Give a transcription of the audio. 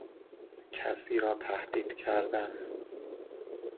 کسی را تهدید کردن